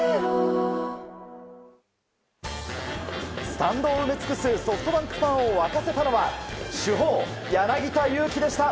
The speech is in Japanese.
スタンドを埋め尽くすソフトバンクファンを沸かせたのは主砲、柳田悠岐でした！